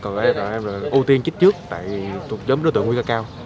còn gọi là tụi em ưu tiên chích trước tại tụi em đối tượng nguy cơ cao